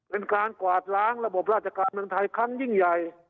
กวาดล้างระบบราชการเมืองไทยครั้งยิ่งใหญ่